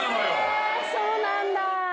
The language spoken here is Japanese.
えそうなんだ。